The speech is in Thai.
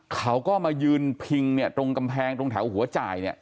เขาก็มายืนพิงเนี่ยตรงกำแพงตรงแถวหัวจ่ายเนี่ย